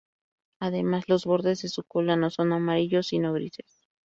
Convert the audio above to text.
Además los bordes de su cola no son amarillos, sino grises.